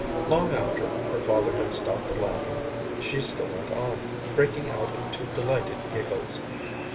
Long after her father had stopped laughing, she still went on, breaking out into delighted giggles.